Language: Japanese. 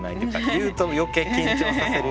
言うと余計緊張させるような。